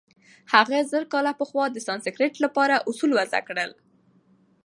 هغه زرکال پخوا د سانسکریت له پاره اوصول وضع کړل.